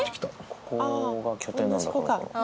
ここが拠点なんだ。